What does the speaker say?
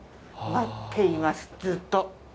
待っています、ずっと。